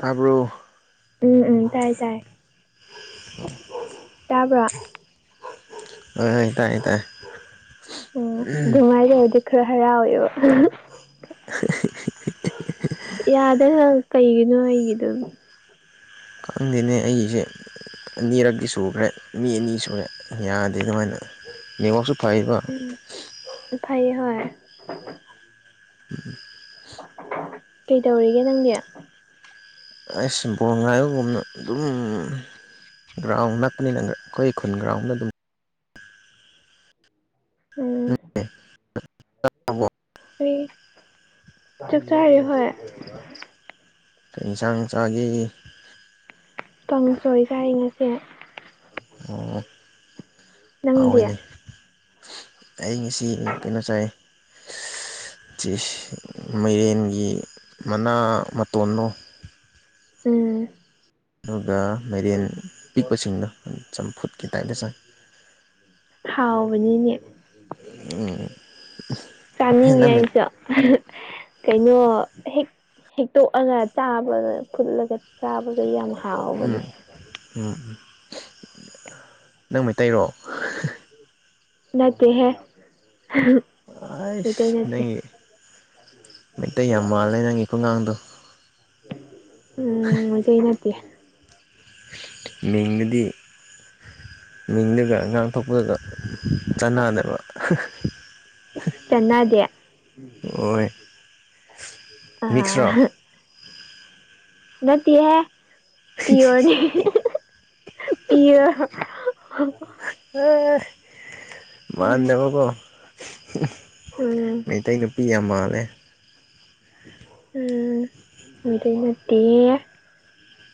ꯇꯥꯕ꯭ꯔꯣ ꯎꯝ-ꯎꯝ ꯇꯥꯏ-ꯇꯥꯏ [inaudible] ꯇꯥꯕ꯭ꯔꯥ ꯍꯣꯏ-ꯍꯣꯏ ꯇꯥꯏꯌꯦ -ꯇꯥꯏꯌꯦ ꯎꯝ ꯗꯨꯃꯥꯏꯗꯧꫪꯗꯤ ꯈꯔ ꯍꯔꯥꯎꯋꯦꯕ [inaudible] ꯌꯥꯗꯦ ꯍꯪ ꯀꯩꯒꯤꯅꯣ ꯑꯩꯒꯤꯗꯨꯕꯨ ꯈꯪꯗꯦꯅꯦ ꯑꯩꯌꯤꯁꯦ ꯑꯅꯤꯔꯛꯀꯤ ꯁꯨꯈ꯭ꯔꯦ ꯃꯤ ꯑꯅꯤ ꯁꯨꯔꯦ ꯌꯥꯗꯦ ꯑꯗꯨꯃꯥꯏꯅ ꯅꯦꯠꯋꯥꯛꯁꯨ ꯐꯩꯋꯦꯕ ꯎꯝ ꯐꯩꯌꯦ ꯍꯣꯏ ꯀꯩꯗꯧꯔꯤꯒꯦ ꯅꯪꯗꯤ ꯑꯩꯁ ꯕꯣꯜ ꯉꯥꯏꯕꯒꯨꯝꯅ ꯑꯗꯨꯝ ꯒ꯭ꯔꯥꯎꯟ ꯅꯛꯄꯅꯤꯅꯒ ꯑꯩꯈꯣꯏ ꯈꯨꯟ ꯒ꯭ꯔꯥꯎꯟꯗ ꯑꯗꯨꯝ ꯎꯝ ꯑꯝ [unintelligible] ꯍꯨꯏ ꯆꯥꯛ ꯆꯥꯔꯤ ꯍꯣꯏ ꯀꯩ ꯏꯟꯁꯥꯡ ꯆꯥꯒꯦ ꯀꯥꯡꯁꯣꯏ ꯆꯥꯏ ꯉꯁꯤ ꯑꯣ ꯅꯪꯗꯤ ꯍꯥꯎꯋꯦꯅꯦ ꯑꯩ ꯉꯁꯤ ꯎꯝ ꯀꯩꯅꯣ ꯆꯥꯏꯌꯦ ꯃꯩꯔꯦꯟꯒꯤ ꯃꯅꯥ- ꯃꯇꯣꯟꯗꯣ ꯎꯝ ꯑꯗꯨꯒꯥ ꯃꯩꯔꯦꯟ ꯄꯤꯛꯄꯁꯤꯡꯗꯣ ꯆꯝꯐꯨꯠꯀꯤ ꯇꯥꯏꯟꯗ ꯆꯥꯏ ꯍꯥꯎꯕꯅꯤꯅꯦ ꯎꯝ ꯍꯦ ꯆꯥꯅꯤꯡꯉꯤ ꯅꯪ ꯑꯩꯁꯨ ꯀꯩꯅꯣ ꯍꯦꯛ ꯍꯦꯛꯇꯣꯛꯑꯒ ꯆꯥꯕ ꯐꯨꯠꯂꯒ ꯆꯥꯕꯗꯣ ꯌꯥꯝ ꯍꯥꯎꯕꯅꯦ ꯎꯝ ꯎꯝ ꯅꯪ ꯃꯩꯇꯩꯔꯣ ꯅꯠꯇꯦꯍꯦ ꯃꯩꯇꯩ ꯑꯩꯁ ꯅꯠꯇꯦ ꯅꯪꯒꯤ ꯃꯩꯇꯩ ꯌꯥꯝ ꯃꯥꯜꯂꯦ ꯅꯪꯒꯤ ꯈꯨꯉꯥꯡꯗꯣ ꯎꯝ ꯃꯩꯇꯩ ꯅꯠꯇꯦ ꯃꯤꯡꯒꯗꯤ ꯃꯤꯡꯗꯨꯒ ꯉꯥꯡꯊꯣꯛꯄꯒ ꯆꯥꯟꯅꯗꯕ ꯆꯥꯟꯅꯗꯦ ꯍꯣꯏ ꯑ ꯃꯤꯛꯁꯔꯣ ꯅꯠꯇꯦꯍꯦ ꯄꯤꯌꯣꫪꯅꯤ ꯄꯤꯌꯣꯔ ꯎꯝ ꯃꯥꯟꯗꯕꯀꯣ ꯎꯝ ꯃꯩꯇꯩ ꯅꯨꯄꯤ ꯌꯥꯝ ꯃꯥꯜꯂꯦ ꯎꯝ ꯃꯩꯇꯩ ꯅꯠꯇꯤꯌꯦ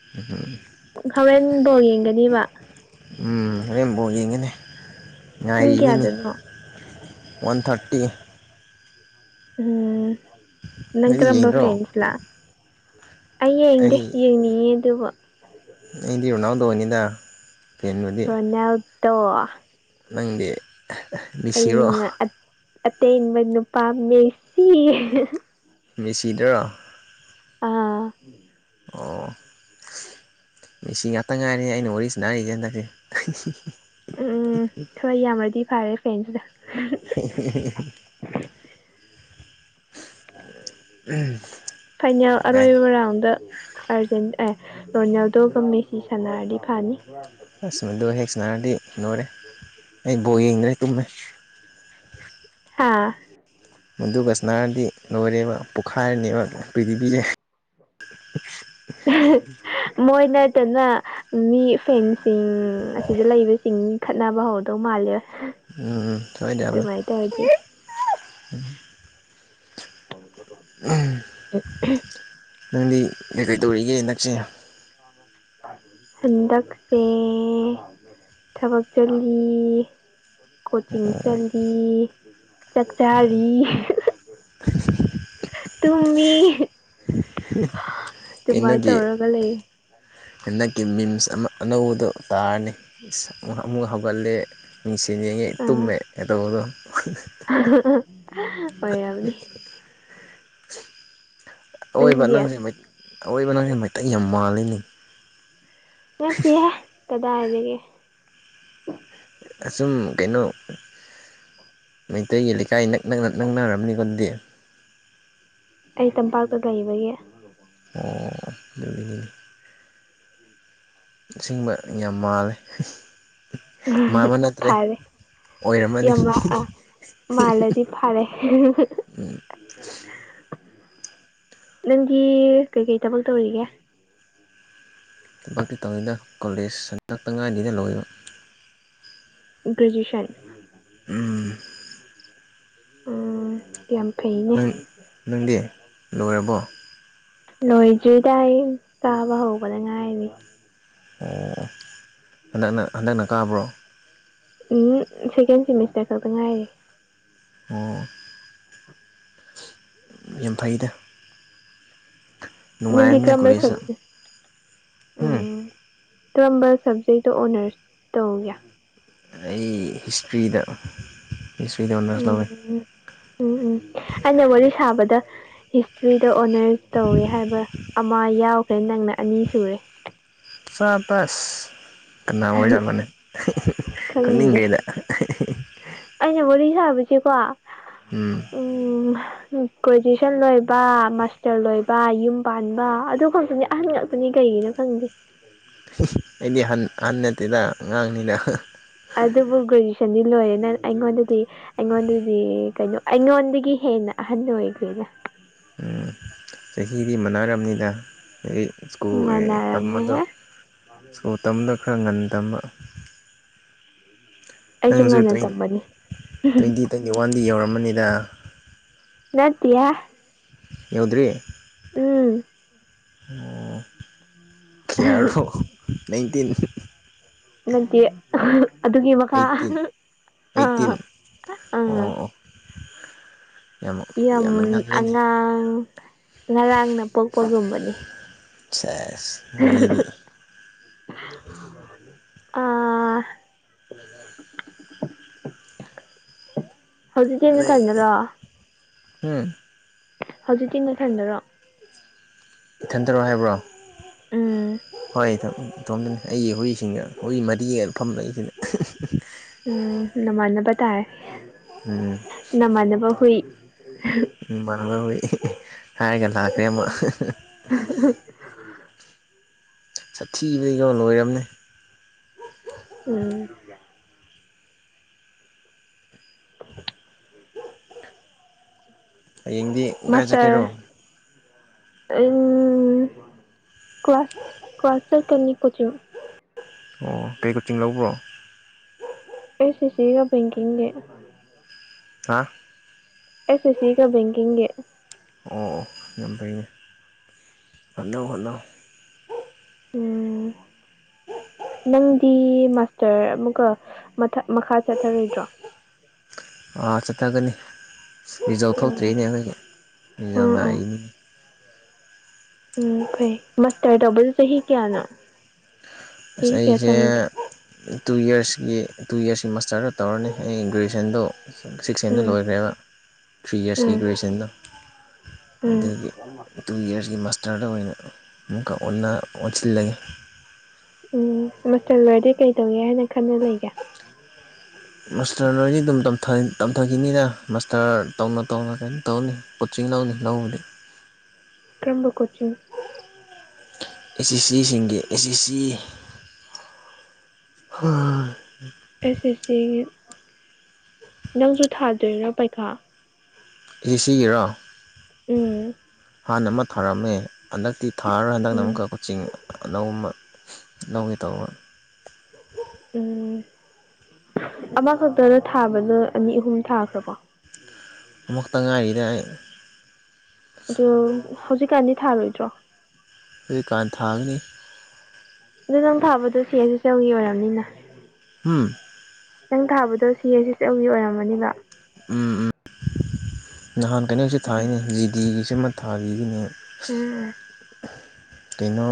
[unintelligible] ꯍꯧꯔꯦꯟ ꯕꯣꯟ ꯌꯦꯡꯒꯅꯤꯕ ꯎꯝ ꯍꯣꯔꯦꯟ ꯕꯣꯟ ꯌꯦꯡꯒꯅꯦ ꯄꯨꯡ ꯉꯥꯢꯔꯤꯅꯤꯅꯦ ꯀꯌꯥꯗꯅꯣ ꯋꯥꯟ ꯊꯥꯔꯇꯤ ꯎꯝ ꯅꯪ ꯅꯣꯏꯗꯤ ꯀꯔꯝꯕ ꯌꯦꯡꯗ꯭ꯔꯣ ꯐꯦꯟꯁꯂ ꯑꯩ ꯌꯦꯡꯗꯦ ꯌꯦꯡꯅꯤꯡꯉꯤ ꯑꯗꯨꯕꯨ ꯑꯦꯗꯤ ꯔꯣꯅꯥꯜꯗꯣꯅꯤꯗ ꯐꯦꯟꯕꯨꯗꯤ ꯔꯣꯅꯥꯜꯇꯣ ꯅꯪꯗꯤ ꯃꯦꯁꯤꯔꯣ ꯑꯩꯅ ꯑꯠ ꯑꯠꯇꯦꯟꯕ ꯅꯨꯄꯥ ꯃꯦꯁꯤ ꯃꯦꯁꯤꯗꯔꯣ ꯑꯥ ꯑꯣ ꯃꯤꯁꯤ ꯉꯥꯛꯇ ꯉꯥꯢꯔꯦꯍꯦ ꯑꯩꯅ ꯋꯥꯔꯤ ꯁꯅꯥꯔꯤꯖꯦ ꯍꯟꯗꯛꯇꯤ ꯎꯝ ꯎꯝ ꯈꯔ ꯌꯥꯝꯃꯗꯤ ꯐꯔꯦ ꯐ꯭ꯦꯟꯁꯤꯗ [unintelligible] ꯐꯥꯢꯅꯦꯜ ꯀꯥꯏ ꯑꯔꯣꯢꯕ ꯔꯥꯎꯟꯗ ꯑꯥꯔꯖꯦꯟ ꯑꯦ ꯔꯣꯅꯥꯜꯗꯣꯒ ꯃꯦꯁꯤ ꯁꯥꯟꯅꯔꯗꯤ ꯐꯅꯤ ꯑꯁ ꯃꯗꯨ ꯍꯦꯛ ꯁꯟꯅꯔꯗꯤ ꯂꯣꯢꯔꯦ ꯑꯩ ꯕꯣ ꯌꯦꯡꯗ꯭ꯔꯦ ꯇꯨꯝꯃꯦ ꯍꯥ ꯃꯨꯗꯨꯒꯁꯅꯥꯔꯗꯤ ꯂꯣꯢꯔꯦꯕ ꯄꯣꯛꯈꯥꯢꯔꯅꯤꯕ ꯄ꯭ꯔꯤꯊꯤꯕꯤꯖꯦ ꯑꯍ ꯃꯣꯢ ꯅꯠꯇꯅ ꯃꯤ ꯐꯦꯟꯁ ꯁꯤꯡ ꯑꯁꯤꯗ ꯂꯩꯕꯁꯤꯡ ꯈꯠꯅꯕ ꯍꯧꯗꯧ ꯃꯥꯜꯂꯦ ꯎꯝ ꯎꯝ ꯁꯣꯢꯗꯦ ꯌꯥꯝꯅ ꯑꯗꯨꯃꯥꯏꯅ ꯇꯧꯔꯗꯤ [unintelligible] [unintelligible] ꯎꯝ ꯅꯪꯗꯤ ꯀꯩꯀꯩ ꯇꯧꯔꯤꯒꯦ ꯏꯟꯗꯛꯁꯦ ꯍꯟꯗꯛꯁꯦ ꯊꯕꯛ ꯆꯠꯂꯤ ꯀꯣꯆꯤꯡ ꯆꯜꯂꯤ ꯆꯥꯛꯆꯥꯔꯤ ꯇꯨꯝꯃꯤ ꯗꯨꯃꯥꯢ ꯀꯩꯅꯣꯒꯤ ꯇꯧꯔꯒ ꯂꯩꯌꯦ ꯍꯟꯗꯛꯀꯤ ꯃꯤꯝꯁ ꯑꯃ ꯑꯅꯧꯕꯗꯣ ꯇꯥꯔꯅꯤ ꯨ ꯑꯃꯨ ꯑꯃꯨꯛ ꯍꯧꯒꯠꯂꯦ ꯃꯤꯡꯁꯦꯟ ꯌꯦꯡꯉꯦ ꯑꯥ ꯇꯨꯝꯃꯦ ꯀꯇꯧꯕꯗꯣ [unintelligible] ꯑꯑꯣꯢꯕ ꯅꯪꯗꯤ ꯅꯪꯁꯦ ꯃꯩꯠ ꯑꯑꯣꯢꯕ ꯅꯪꯁꯦ ꯃꯩꯇꯩ ꯌꯥꯝ ꯃꯥꯜꯂꯤꯅꯦ ꯅꯠꯇꯦꯍꯦ ꯀꯗꯥꯢꯗꯒꯤ ꯑꯁꯨꯝ ꯀꯩꯅꯣ ꯃꯩꯇꯩꯒꯤ ꯂꯩꯀꯥꯢ ꯅꯛ ꯅꯛꯅ ꯅꯛꯅꯔꯝꯅꯤꯀꯣ ꯑꯗꯨꯗꯤ ꯑꯩ ꯇꯝꯄꯥꯛꯇ ꯗꯩꯕꯒꯤ ꯑꯣ ꯑꯗꯨꯗꯤ ꯑꯁꯤꯡꯕ ꯌꯥꯝ ꯃꯥꯜꯂꯦ ꯎꯝ ꯃꯥꯟꯕ ꯅꯠꯇ꯭ꯔꯦ ꯐꯔꯦ ꯑꯣꯏꯔꯝꯃꯅꯤ ꯌꯥꯝ ꯃ ꯑ ꯃꯥꯜꯂꯗꯤ ꯐꯔꯦ ꯅꯪꯒꯤ ꯀꯩꯀꯩ ꯊꯕꯛ ꯇꯧꯔꯤꯒꯦ ꯊꯕꯛꯇꯤ ꯇꯧꯏꯗ ꯀꯣꯂꯦꯖ ꯁꯟꯇꯛꯇ ꯉꯥꯏꯅꯤꯅ ꯂꯣꯏꯕ ꯒ꯭ꯔꯦꯖꯨꯌꯦꯁꯟ ꯎꯝ ꯎꯝ ꯌꯥꯝ ꯐꯩꯅꯦ ꯅꯪ ꯅꯪꯗꯤ ꯂꯣꯏꯔꯕꯣ ꯂꯣꯏꯗ꯭ꯔꯤꯗ ꯑꯩ ꯇꯥꯕ ꯍꯧꯕꯗ ꯉꯥꯏꯔꯤꯅꯤ ꯑꯣ ꯍꯟꯗꯛꯅ ꯍꯟꯗꯛꯅ ꯀꯥꯕ꯭ꯔꯣ ꯎꯝ ꯁꯦꯀꯦꯟ ꯁꯦꯃꯤꯁꯇꯔ ꯈꯛꯇ ꯉꯥꯏꯔꯤ꯫ ꯑꯣ ꯌꯥꯝ ꯐꯩꯗ꯫ ꯅꯗꯤ ꯅꯨꯡꯉꯥꯏꯕꯅꯦ ꯀꯔꯝꯕ ꯀꯣꯂꯦꯖꯇ ꯁꯕꯖ ꯎꯝ꯫ ꯀꯔꯝꯕ ꯁꯕꯖꯦꯛꯇ ꯑꯣꯅꯔꯁ ꯇꯧꯒꯦ꯫ ꯑꯩ ꯍꯤꯁꯇ꯭ꯔꯤꯗ ꯍꯤꯁꯇ꯭ꯔꯤꯗ ꯑꯣꯅꯔꯁ ꯎꯝ ꯂꯧꯋꯦ꯫ ꯎꯝ ꯎꯝ ꯎꯝ ꯑꯩꯅ ꯋꯥꯔꯤ ꯁꯥꯕꯗ ꯍꯤꯁ ꯊ꯭ꯔꯤꯗ ꯑꯣꯅꯔꯁ ꯇꯧꯋꯦ ꯍꯥꯏꯕ ꯑꯃ ꯌꯥꯎꯈ꯭ꯔꯦ ꯅꯪꯅ ꯑꯅꯤ ꯁꯨꯔꯦ꯫ ꯁꯕꯁ ꯀꯅꯥ ꯑꯣꯏꯔꯖꯥꯠꯅꯣꯅꯦ ꯈꯪꯗꯦ ꯈꯪꯅꯤꯡꯒꯔꯦꯗ꯫ ꯑꯩꯅ ꯋꯥꯔꯤ ꯁꯥꯕꯁꯦꯀꯣ ꯎꯝ ꯎꯝ꯫ ꯀꯣꯖꯦꯁꯟ ꯂꯣꯏꯕ ꯃꯥꯁꯇꯔ ꯂꯣꯏꯕ ꯌꯨꯝ ꯄꯥꯟꯕ ꯑꯗꯨꯒꯛꯇꯅꯤ꯫ ꯑꯍꯟ ꯉꯥꯛꯇꯅꯤ ꯀꯩꯒꯤꯅꯣ ꯈꯪꯗꯦ꯫ ꯑꯩꯗꯤ ꯍꯟ ꯑꯍꯟ ꯅꯠꯇꯦꯗ ꯑꯉꯥꯡꯅꯤꯅ꯫ ꯑꯗꯨꯕꯨ ꯒꯔꯦꯖꯦꯁꯟꯗꯤ ꯂꯣꯏꯔꯦ ꯅꯪ ꯑꯩꯉꯣꯟꯗꯗꯤ꯫ ꯑꯩꯉꯣꯟꯗꯗꯤ ꯀꯩꯅꯣ ꯑꯩꯉꯣꯟꯗꯒꯤ ꯍꯦꯟꯅ ꯑꯍꯟ ꯑꯣꯏꯒ꯭ꯔꯦꯗ꯫ ꯎꯝ ꯆꯥꯍꯤꯗꯤ ꯃꯅꯔꯝꯅꯤꯗ ꯑꯩ ꯁ꯭ꯀꯨꯜ ꯇꯝꯕꯗꯣ ꯃꯥꯟꯅꯔꯝꯃꯣꯏꯍꯦ ꯁ꯭ꯀꯨꯜ ꯇꯝꯕꯗ ꯈꯔ ꯉꯟꯅ ꯊꯝꯕ꯫ ꯑꯩꯁꯨ ꯅꯪꯖꯨ ꯉꯟꯅ ꯇ꯭ꯋꯦꯟ ꯇꯝꯕꯅꯦ ꯇ꯭ꯋꯦꯟꯇꯤ ꯇ꯭ꯋꯦꯟꯇꯤ ꯋꯥꯟꯗꯤ ꯌꯧꯔꯝꯃꯅꯤꯗ꯫ ꯅꯠꯇꯤꯌꯥ꯫ ꯌꯥꯎꯗ꯭ꯔꯤ꯫ ꯎꯝ꯫ ꯑꯣ ꯀꯌꯥꯔꯣ ꯅꯥꯏꯟꯇꯤꯟ꯫ ꯅꯠꯇꯦ ꯑꯗꯨꯒꯤ ꯃꯈꯥ ꯑꯩꯠꯇꯤꯟ ꯑꯥ ꯑꯩꯠꯇꯤꯟ ꯑꯥ꯫ ꯑꯣ ꯑꯣ ꯌꯥꯝ ꯌꯥꯝꯅ ꯉꯜꯂꯦꯅꯦ ꯑꯉꯥꯡ ꯉꯔꯥꯡꯅ ꯄꯣꯛꯄꯒꯨꯝꯕꯅꯤ꯫ ꯁꯦꯁ ꯋꯥꯔꯤꯗꯤ꯫ [unintelligible] ꯍꯧꯖꯤꯛꯇꯤ ꯅꯣꯏ ꯅꯊꯟꯗꯔꯣ ꯍꯨꯝ꯫ ꯍꯧꯖꯤꯛꯇꯤ ꯅꯊꯟꯗꯔꯣ꯫ ꯏꯊꯟꯇꯔꯣ ꯍꯥꯏꯕ꯭ꯔꯣ? ꯎꯝ꯫ ꯑꯩ [unintelligible] ꯊꯣꯝꯗꯅꯤ ꯑꯩꯒꯤ ꯍꯨꯏꯁꯤꯡꯅ ꯍꯨꯏ ꯃꯔꯤꯅ ꯐꯝ ꯂꯩꯁꯤꯅꯦ꯫ ꯎꯝ ꯅꯃꯥꯟꯅꯕ ꯇꯥꯔꯦ꯫ ꯎꯝ꯫ ꯅꯃꯥꯟꯅꯕ ꯍꯨꯏ꯫ ꯏꯃꯥꯟꯅꯕ ꯍꯨꯏ ꯍꯥꯏꯔꯒ ꯂꯥꯛꯈ꯭ꯔꯦ ꯃꯣꯏ꯫ [unintelligible] ꯁꯥꯊꯤꯕꯗꯤꯀꯣ ꯂꯣꯏꯔꯝꯅꯦ꯫ ꯎꯝ꯫ ꯍꯌꯦꯡꯗꯤ꯫ ꯀꯥꯏ ꯃꯥꯁꯇꯔ ꯆꯠꯀꯦꯔꯣ [unintelligible] ꯀ꯭ꯂꯥꯁ ꯀ꯭ꯂꯥꯁ ꯆꯠꯀꯥꯅꯤ ꯀꯣꯆꯤꯡ ꯑꯣ ꯀꯩ ꯀꯣꯆꯤꯡ ꯂꯧꯕ꯭ꯔꯣ ꯑꯦꯁ ꯑꯦꯁ ꯁꯤ ꯒꯥ ꯕꯦꯡꯀꯤꯡꯒꯤ ꯍꯥ ꯑꯦꯁ ꯑꯦꯁ ꯁꯤꯒꯥ ꯕꯦꯡꯀꯤꯡꯒꯤ ꯑꯣ ꯌꯥꯝ ꯐꯩꯅꯦ ꯍꯣꯠꯅꯧ ꯍꯣꯠꯅꯧ ꯎꯝ ꯅꯪꯗꯤ ꯃꯥꯁꯇꯔ ꯑꯃꯨꯛꯀꯥ ꯃꯊꯥ ꯃꯈꯥ ꯆꯠꯊꯔꯣꯏꯗ꯭ꯔꯣ ꯑꯥ ꯆꯠꯊꯥꯒꯅꯤ ꯔꯤꯖꯥꯜ ꯎꯝ ꯊꯣꯛꯇ꯭ꯔꯤꯅꯦ ꯑꯈꯣꯏꯒꯤ ꯔꯤꯖꯜ ꯎꯝ ꯎꯝ ꯉꯥꯛꯏꯔꯤꯅꯤ ꯎꯝ ꯐꯩ ꯃꯁꯇꯔ ꯇꯧꯕꯗꯨ ꯆꯍꯤ ꯀꯌꯥꯅꯣ ꯑꯁ ꯆꯍꯤ ꯀꯌꯥ ꯑꯩꯖꯦ ꯆꯪꯒꯦ ꯇꯨ ꯌꯔꯁꯀꯤ ꯇꯨ ꯌꯔꯁꯀꯤ ꯃꯥꯁꯇꯔꯗ ꯇꯧꯔꯅꯤ ꯑꯩ ꯒ꯭ꯔꯦꯖꯨꯑꯦꯁꯟꯗꯣ ꯁꯤꯛꯁ ꯍꯦꯟꯗꯥ ꯎꯝ ꯂꯣꯏꯈ꯭ꯔꯦꯕ ꯊ꯭ꯔꯤ ꯌꯥꯔꯁꯀꯤ ꯎꯝ ꯒ꯭ꯔꯦꯖꯨꯌꯦꯁꯟꯗꯣ ꯎꯝ ꯑꯗꯨꯒꯤ ꯇꯨ ꯌꯔꯁꯀꯤ ꯃꯥꯁꯇꯔꯗꯥ ꯑꯣꯏꯅ ꯑꯃꯨꯛꯀꯥ ꯑꯣꯟꯅ ꯑꯣꯟꯁꯤꯜꯂꯒꯦ ꯎꯝ ꯃꯥꯁꯇꯔ ꯂꯣꯏꯔꯥꯗꯤ ꯀꯩ ꯇꯧꯒꯦ ꯍꯥꯏꯅ ꯈꯟꯅ ꯂꯩꯒꯦ [inaudible] ꯃꯥꯁꯇꯔ ꯂꯣꯏꯗꯤ ꯑꯗꯨꯝ ꯇꯝꯊꯥ ꯇꯝꯊꯥꯈꯤꯅꯤꯗꯥ ꯃꯥꯁꯇꯔ ꯇꯧꯅ ꯇꯧꯅ ꯀꯩꯅꯝ ꯇꯧꯅꯤ ꯀꯣꯆꯤꯡ ꯂꯥꯎꯅꯤ ꯂꯧꯕꯗꯤ ꯀꯔꯥꯝꯕ ꯀꯣꯆꯤꯡ ꯑꯦꯁ ꯁꯤ ꯁꯤ ꯁꯤꯡꯒꯤ ꯑꯦꯁ ꯁꯤ ꯁꯤ ꯍꯥ ꯑꯦꯁ ꯑꯦꯁ ꯁꯤꯒꯤ ꯅꯪꯖꯨ ꯊꯥꯗꯣꯏꯔꯥ ꯄꯩꯈꯥ ꯑꯦ ꯁꯤꯒꯤꯔꯣ ꯎꯝ ꯍꯥꯟꯅ ꯑꯃ ꯊꯥꯔꯝꯃꯦ ꯍꯟꯗꯛꯇꯤ ꯊꯥꯔꯔꯣꯏ ꯍꯟꯗꯛꯅ ꯎꯝ ꯑꯃꯨꯛꯀꯥ ꯀꯣꯠ ꯆꯤꯡ ꯑꯅꯧꯝꯕ ꯂꯧꯒꯦ ꯇꯧꯕ ꯎꯝ ꯑꯃꯈꯛꯇꯥꯗ ꯊꯥꯕꯗꯣ ꯑꯅꯤ ꯑꯍꯨꯝ ꯊꯥꯈ꯭ꯔꯥꯕꯣ ꯑꯃꯈꯛꯇꯥ ꯉꯥꯏꯔꯤꯗ ꯑꯩ ꯑꯗꯨ ꯍꯧꯖꯤꯛꯀꯥꯟꯗꯤ ꯊꯥꯔꯣꯏꯗ꯭ꯔꯣ ꯍꯧꯖꯤꯛꯀꯥꯟ ꯊꯥꯒꯅꯤ ꯑꯗꯣ ꯅꯪ ꯊꯥꯕꯗꯣ ꯁꯤ ꯍꯩꯁ ꯑꯦꯁ ꯑꯦꯜꯒꯤ ꯑꯣꯏꯔꯝꯅꯤꯅ [unintelligible] ꯅꯪ ꯊꯥꯕꯗꯣ ꯁꯤ ꯍꯩꯁ ꯑꯦꯁ ꯑꯦꯜꯒꯤ ꯑꯣꯏꯔꯝꯃꯅꯤꯕ ꯎꯝ ꯎꯝ ꯅꯍꯥꯟ ꯀꯩꯅꯣꯁꯨ ꯎꯝ ꯊꯥꯏꯅꯦ ꯖꯤꯗꯤꯒꯤꯁꯨ ꯑꯃ ꯊꯥꯒꯤꯕꯅꯤ ꯎꯝ ꯀꯩꯅꯣ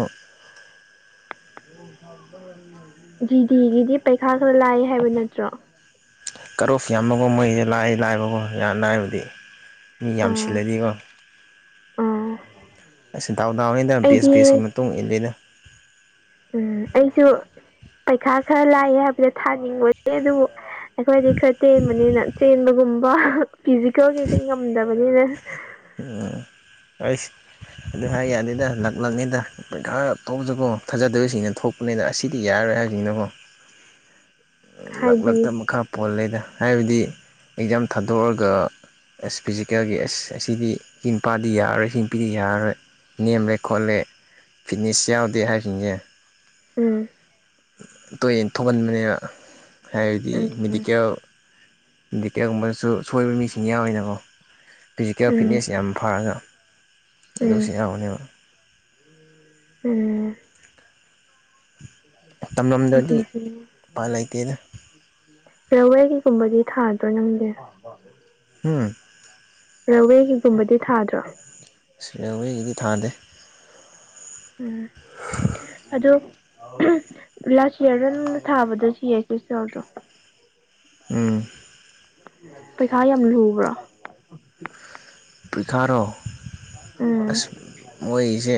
ꯖꯤꯗꯤꯒꯤꯗꯤ ꯄꯩꯈꯥ ꯈꯔ ꯂꯥꯏ ꯍꯥꯏꯕ ꯅꯠꯇ꯭ꯔꯣ ꯀꯠꯑꯣꯐ ꯌꯥꯝꯃꯒ ꯃꯣꯏꯖꯦ ꯂꯥꯏ ꯂꯥꯏꯕꯀꯣ ꯌꯥꯝ ꯂꯥꯏꯕꯗꯤ ꯃꯤ ꯌꯥꯝꯁꯤꯜꯂꯗꯤꯀꯣ ꯎꯝ ꯑꯩꯁ ꯗꯥꯎ ꯗꯥꯎꯅꯤꯗ ꯕꯦꯁ ꯕꯦꯁꯀꯤ ꯃꯇꯨꯡ ꯏꯟꯂꯤꯗꯥ ꯎꯝ ꯑꯩꯁꯨ ꯄꯩꯈꯥ ꯈꯔ ꯂꯥꯏ ꯍꯥꯏꯕꯗꯣ ꯊꯥꯅꯤꯡꯕꯅꯤ ꯑꯗꯨꯕꯨ ꯑꯩꯈꯣꯏꯗꯤ ꯈꯔ ꯇꯦꯟꯕꯅꯤꯅ ꯆꯦꯟꯕꯒꯨꯝꯕ ꯐꯤꯖꯤꯀꯦꯜꯒꯤꯗꯤ ꯉꯝꯗꯕꯅꯤꯅ ꯎꯝ ꯑꯩꯁ ꯑꯗꯨ ꯍꯥꯏ ꯌꯥꯗꯦꯗ ꯂꯛ ꯂꯛꯅꯤꯗꯥ ꯄꯩꯈꯥ ꯊꯣꯛꯄꯖꯨꯀꯣ ꯊꯥꯖꯗꯕꯁꯤꯡꯅ ꯊꯣꯛꯄꯅꯤꯗꯥ ꯑꯁꯤꯗꯤ ꯌꯥꯔꯣꯏ ꯍꯥꯏꯕꯖꯤꯡꯅꯀꯣ ꯎꯝ ꯂꯛ ꯍꯥꯏꯗꯤ ꯂꯛꯇꯥ ꯃꯈꯥ ꯄꯣꯜꯂꯦꯗꯥ ꯍꯥꯏꯕꯗꯤ ꯑꯦꯛꯖꯥꯝ ꯊꯥꯗꯣꯛꯔꯒꯥ ꯑꯦꯁ ꯐꯤꯖꯤꯀꯦꯜꯒꯤ ꯑꯦꯁ ꯑꯁꯤꯗꯤ ꯁꯤꯅꯨꯄꯥꯗꯤ ꯌꯥꯔꯔꯣꯏ ꯁꯤ ꯅꯨꯄꯤꯗꯤ ꯌꯥꯔꯔꯣꯏ ꯅꯦꯝꯂꯦ ꯈꯣꯠꯂꯦ ꯐꯤꯠꯅꯦꯁ ꯌꯥꯎꯗꯦ ꯍꯥꯏꯕꯁꯤꯡꯁꯦ ꯎꯝ ꯇꯣꯏꯅ ꯊꯣꯛꯍꯟꯕꯅꯦꯅ ꯍꯥꯏꯕꯗꯤ ꯎꯝ ꯃꯦꯗꯤꯀꯦꯜ ꯃꯦꯗꯤꯀꯦꯜꯒꯨꯝꯕꯗꯁꯨ ꯁꯣꯏꯕ ꯃꯤꯁꯤꯡ ꯌꯥꯎꯔꯤꯅꯀꯣ ꯐꯤꯖꯤꯀꯦꯜ ꯎꯝ ꯐꯤꯠꯅꯦꯁ ꯌꯥꯝ ꯐꯔꯒ ꯑꯗꯨꯁꯨ ꯎꯝ ꯌꯥꯎꯅꯦꯕ ꯎꯝ ꯇꯝꯂꯝꯗ꯭ꯔꯗꯤ ꯎꯄꯥꯏ ꯂꯩꯇꯦꯗ [unintelligible] ꯔꯦꯜꯋꯦꯒꯤꯒꯨꯝꯕꯗꯤ ꯊꯥꯗ꯭ꯔꯣ ꯅꯪꯗꯤ ꯍꯝ ꯔꯦꯜꯋꯦꯒꯤꯒꯨꯝꯕꯗꯤ ꯊꯥꯗ꯭ꯔꯣ ꯑꯁ ꯔꯦꯜꯋꯦꯒꯤꯗꯤ ꯊꯥꯗꯦ ꯎꯝ ꯑꯗꯣ ꯂꯥꯁ ꯌꯥꯔꯗ ꯅꯪꯅ ꯊꯥꯕꯗꯣ [unintelligible] ꯌꯥꯎꯗꯔꯣ ꯎꯝ ꯄꯩꯈꯥ ꯌꯥꯝ ꯂꯨꯕ꯭ꯔꯣ ꯄꯤꯈꯥꯔꯣ ꯎꯝ ꯑꯁ ꯃꯣꯏꯒꯤꯁꯦ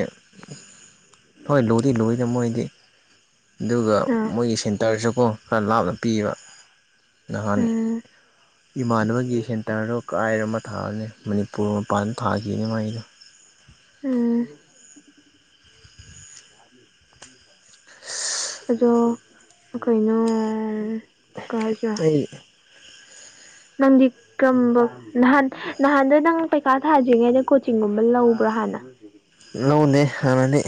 ꯍꯣꯏ ꯂꯨꯏꯗꯤ ꯂꯨꯏꯗꯥ ꯃꯣꯏꯗꯤ ꯑꯗꯨꯒꯥ ꯑꯥ ꯃꯣꯏꯒꯤ ꯁꯦꯟ ꯇꯔꯥꯁꯨꯀꯣ ꯈꯔꯥ ꯂꯥꯞꯅ ꯄꯤꯕ ꯅꯍꯥꯟ ꯎꯝ ꯏꯃꯥꯟꯅꯕꯒꯤ ꯁꯦꯟꯇꯔꯗꯣ ꯀꯥꯏꯗꯅꯣ ꯑꯃꯥ ꯊꯥꯕꯅꯦ ꯃꯅꯤꯄꯨꯔ ꯃꯄꯥꯟꯗ ꯊꯥꯈꯤꯕꯅꯦ ꯃꯥꯒꯤꯗꯣ ꯎꯝ ꯑꯗꯣ ꯀꯩꯅꯣ ꯀꯥꯏꯖꯨꯋꯥ ꯑꯩ ꯅꯪꯗꯤ ꯀꯔꯝꯕ ꯅꯍꯥꯟ ꯅꯍꯥꯟꯗꯣ ꯅꯪ ꯄꯩꯀꯥ ꯊꯥꯗ꯭ꯔꯤꯉꯩꯗ ꯀꯣꯆꯤꯡ ꯒꯨꯝꯕ ꯂꯧꯕ꯭ꯔꯥ ꯍꯥꯟꯅ ꯂꯧꯗꯦ ꯍꯥꯟꯅꯗꯤ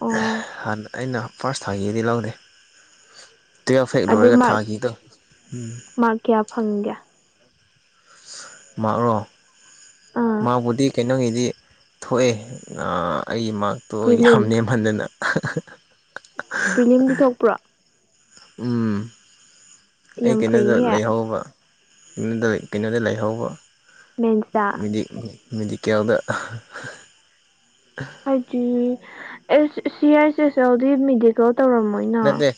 ꯑꯣ ꯍꯥꯟꯅ ꯑꯩꯅ ꯐꯥꯔꯁ ꯊꯥꯈꯤꯕꯗꯤ ꯂꯧꯗꯦ ꯇꯨꯋꯦꯞ ꯍꯦꯛ ꯑꯗꯨ ꯂꯣꯏꯔꯥꯒꯥ ꯃꯥꯔꯛ ꯊꯥꯈꯤꯗꯣ ꯎꯝ ꯃꯥꯔꯛ ꯀꯌꯥ ꯐꯪꯒꯦ ꯃꯥꯛꯔꯣ ꯑꯥ ꯃꯥꯛꯕꯨꯗꯤ ꯀꯩꯅꯣꯒꯤꯗꯤ ꯊꯣꯛꯑꯦ ꯑꯩꯒꯤ ꯃꯥꯛꯇꯣ ꯌꯥꯝ ꯄ꯭ꯔꯤꯂꯤꯝ ꯅꯦꯝꯃꯟꯗꯥꯅ ꯄ꯭ꯔꯤꯂꯤꯝꯗꯤ ꯊꯣꯛꯄ꯭ꯔꯣ ꯎꯝ ꯑꯩ ꯌꯥꯝ ꯀꯩꯅꯣꯗ ꯐꯩꯍꯦ ꯂꯩꯍꯧꯕ ꯎꯝ ꯗꯨꯏ ꯀꯩꯅꯣꯗ ꯂꯩꯍꯧꯕ ꯃꯦꯟꯁ ꯇꯥ ꯃꯦꯗꯤꯀꯦꯜꯗꯥ ꯍꯥꯏꯗꯤ ꯑꯦꯁ ꯁꯤ ꯑꯥꯏꯁ ꯑꯦꯁ ꯑꯦꯜꯗꯤ ꯃꯦꯗꯤꯀꯦꯜ ꯇꯧꯔꯝꯃꯣꯏꯅ ꯅꯠꯇꯦ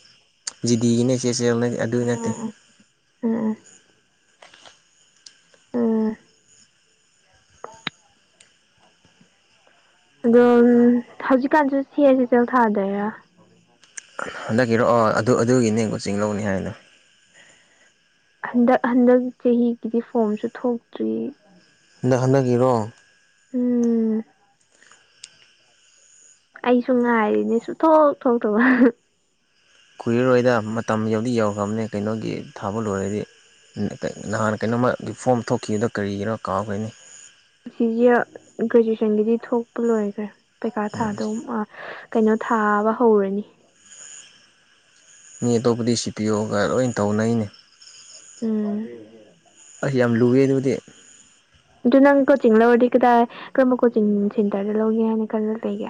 ꯖꯤꯗꯤꯒꯤꯅꯦ ꯑꯦꯁ ꯑꯦꯁ ꯑꯦꯜ‌‌‌‌ꯑꯗꯨ ꯅꯠꯇꯦ ꯎꯝ ꯎꯝ ꯎꯝ ꯑꯗꯣ ꯍꯧꯖꯤꯛꯀꯥꯟꯁꯨ ꯁꯤꯁ ꯆꯦꯜ ꯊꯥꯗꯣꯏꯔꯥ ꯍꯟꯗꯛꯀꯤꯔꯣꯑꯣ ꯑꯗꯨ ꯑꯗꯨꯒꯤꯅꯦ ꯀꯣꯆꯤꯡ ꯂꯧꯅꯤ ꯍꯥꯏꯕꯗꯣ ꯍꯟꯗꯛ ꯍꯟꯗꯛ ꯆꯍꯤꯒꯤꯗꯤ ꯐꯣꯝꯁꯨ ꯊꯣꯛꯇ꯭ꯔꯤ ꯍꯟꯗꯛ ꯍꯟꯗꯛꯒꯤꯔꯣ ꯎꯝ ꯑꯩꯁꯨ ꯉꯥꯏꯔꯤꯅꯦ ꯁꯨꯊꯣꯛ ꯊꯣꯛꯇꯥꯕ ꯀꯨꯏꯔꯥꯔꯣꯏꯗꯥ ꯃꯇꯝ ꯌꯧꯗꯤ ꯌꯧꯈ꯭ꯔꯥꯕꯅꯦ ꯀꯩꯅꯣꯒꯤ ꯊꯥꯕ ꯂꯣꯏꯔꯥꯗꯤ ꯎꯨ ꯀꯩ ꯅꯍꯥꯟ ꯀꯩꯅꯣꯃꯥꯒꯤ ꯐꯣꯝ ꯊꯣꯛꯈꯤꯕꯥꯗꯣ ꯀꯔꯤꯒꯤꯔꯣ ꯀꯥꯎꯈ꯭ꯔꯦꯅꯦ ꯁꯤꯖꯤꯑꯦꯜ ꯒ꯭ꯔꯦꯖꯨꯑꯦꯁꯟꯒꯤꯗꯤ ꯊꯣꯛꯄ ꯂꯣꯏꯈ꯭ꯔꯦ ꯄꯩꯈꯥ ꯊꯥꯗꯧ ꯃꯥꯁ ꯀꯩꯅꯣ ꯊꯥꯕ ꯍꯧꯔꯥꯅꯤ ꯃꯤ ꯑꯇꯣꯞꯄꯥꯗꯤ ꯁꯤ ꯄꯤꯌꯣꯒꯥ ꯂꯣꯏ ꯇꯧꯅꯩꯅꯦ ꯎꯨꯝ ꯑꯁ ꯌꯥꯝ ꯂꯨꯏꯌꯦ ꯑꯗꯨꯗꯤ ꯑꯗꯨ ꯅꯪ ꯀꯣꯆꯤꯡ ꯂꯧꯔꯥꯗꯤ ꯀꯗꯥꯏ ꯀꯔꯝꯕ ꯀꯣꯆꯤꯡ ꯁꯦꯟꯇꯔꯗꯥ ꯂꯧꯒꯦ ꯍꯥꯏꯅ ꯈꯜꯂꯥ ꯂꯩꯒꯦ